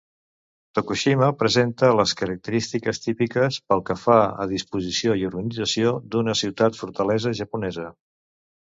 Tokushima presenta les característiques típiques, pel que fa a disposició i organització, d'una ciutat-fortalesa japonesa.